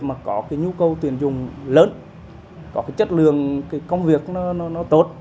mà có nhu cầu tuyên dụng lớn có chất lượng công việc tốt